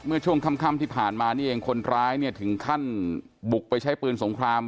เมื่อช่วงค่ำที่ผ่านมานี่เองคนร้ายเนี่ยถึงขั้นบุกไปใช้ปืนสงคราม